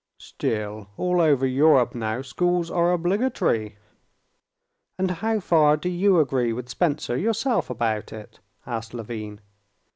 "Still, all over Europe now schools are obligatory." "And how far do you agree with Spencer yourself about it?" asked Levin.